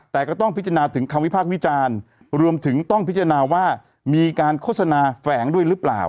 แต่ก็ต้องพิจารณาถึงคำวิพากษ์วิจารณ์รวมถึงต้องพิจารณาว่ามีการโฆษณาแฝงด้วยหรือเปล่า